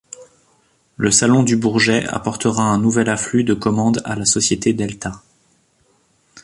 Le salon du Bourget apportera un nouvel afflux de commandes à la société Delta.